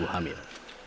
anak anak serta ibu hamil